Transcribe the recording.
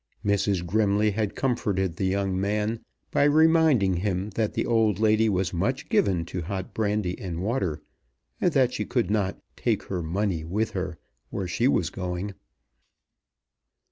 Mrs. Grimley had comforted the young man by reminding him that the old lady was much given to hot brandy and water, and that she could not "take her money with her where she was going."